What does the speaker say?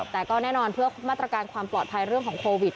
แต่ก็แน่นอนเพื่อมาตรการความปลอดภัยเรื่องของโควิด